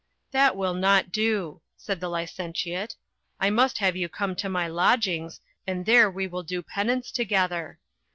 "That will not do," said the licentiate; "I must have you come to my lodgings, and there we will do penance together.